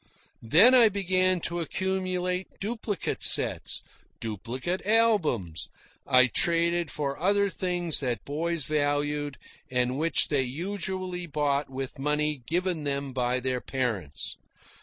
Then I began to accumulate duplicate sets, duplicate albums. I traded for other things that boys valued and which they usually bought with money given them by their parents.